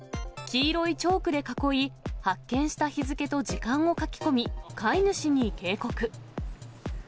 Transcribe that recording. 黄色いチョークで囲い、発見した日付と時間を書き込み、飼い主に警告。